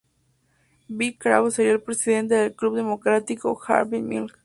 Bill Kraus sería el Presidente del "Club Democrático Harvey Milk".